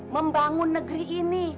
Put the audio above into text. membangun negeri ini